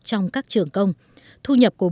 trong các trường công thu nhập của